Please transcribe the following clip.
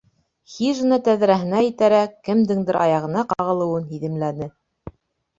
Хижина тәҙрәһенә етәрәк, кемдеңдер аяғына ҡағылыуын һиҙемләне.